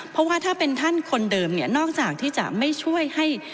เพราะว่าถ้าเป็นท่านคนเดิมเนี่ยนอกจากที่จะไม่ช่วยให้